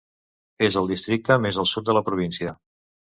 És el districte més als sud de la província.